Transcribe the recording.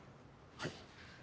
はい。